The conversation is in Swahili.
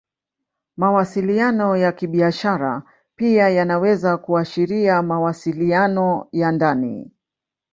Mawasiliano ya Kibiashara pia yanaweza kuashiria mawasiliano ya ndani.